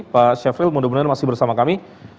pak syafril mudah mudahan masih bersama kami